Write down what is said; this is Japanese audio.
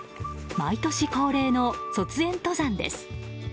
毎年恒例の卒園登山です。